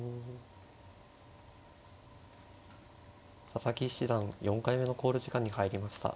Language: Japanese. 佐々木七段４回目の考慮時間に入りました。